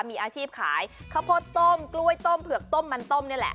มีอาชีพขายข้าวโพดต้มกล้วยต้มเผือกต้มมันต้มนี่แหละ